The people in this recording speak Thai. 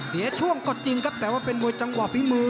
เสียช่วงก็จริงครับแต่ว่าเป็นมวยจังหวะฝีมือ